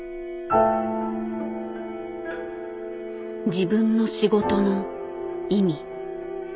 自分の仕事の意味。